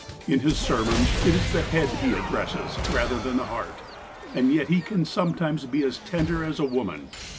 In his sermons, it is the head he addresses, rather than the heart. And yet he can sometimes be as tender as a woman.